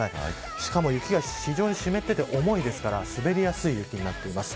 しかも雪が非常に湿っていて重いですから滑りやすい雪になっています。